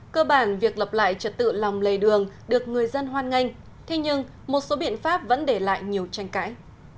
cơ bản việc lập lại trật tự lòng lề đường được người dân hoan nghênh thế nhưng một số biện pháp vẫn để lại nhiều tranh cãi